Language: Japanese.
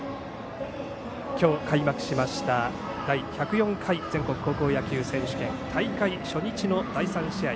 今日、開幕しました第１０４回全国高校野球選手権大会初日の第３試合。